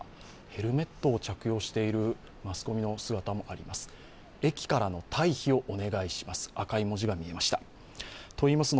ヘルメットを着用しているマスコミの姿もあります。